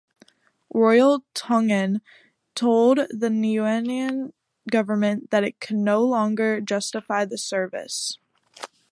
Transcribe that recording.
Royal Tongan told the Niuean government that it could no longer justify the service.